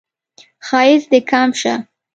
ښایست دې کم شه